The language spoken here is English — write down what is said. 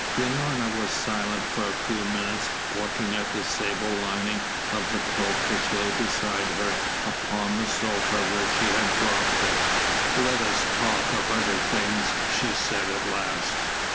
Unorna was silent for a few minutes, plucking at the sable lining of the cloak which lay beside her upon the sofa where she had dropped it. "Let us talk of other things," she said at last.